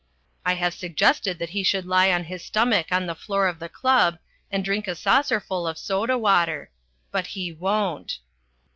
I have suggested that he should lie on his stomach on the floor of the club and drink a saucerful of soda water. But he won't.